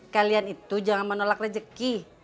kalian itu jangan menolak rezeki